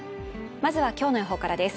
まずは今日の予報からです。